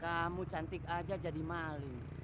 kamu cantik aja jadi maling